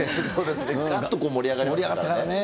がっと盛り上がりましたからね。